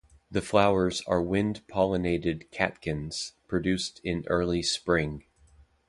The flowers are wind-pollinated catkins, produced in early spring.